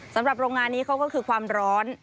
สำหรับโรงงานนี้เขาก็คือความร้อน